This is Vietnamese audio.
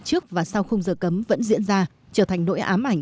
trước và sau không giờ cấm vẫn diễn ra trở thành nỗi ám ảnh